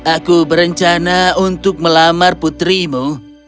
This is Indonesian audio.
aku berencana untuk melamar putrimu